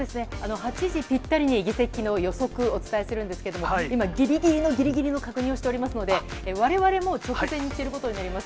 ８時ぴったりに議席の予測、お伝えするんですけれども、今、ぎりぎりの、ぎりぎりの確認をしておりますので、われわれも直前に知ることになります。